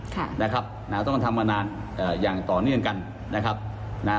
ค่ะนะครับนะฮะต้องทำมานานเอ่ออย่างต่อเนื่องกันนะครับนะฮะ